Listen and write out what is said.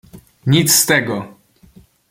"Nic z tego!"